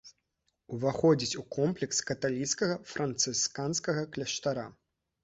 Уваходзіць у комплекс каталіцкага францысканскага кляштара.